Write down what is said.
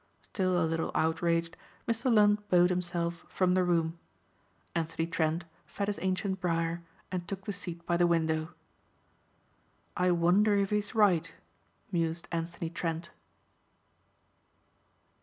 Still a little outraged Mr. Lund bowed himself from the room. Anthony Trent fed his ancient briar and took the seat by the window. "I wonder if he's right," mused Anthony Trent.